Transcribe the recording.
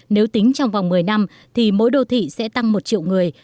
nếu tính trong vòng một mươi năm thì mỗi đô thị sẽ tăng một triệu người